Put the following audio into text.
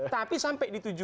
tapi sampai dituju